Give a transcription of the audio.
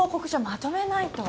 まとめないと。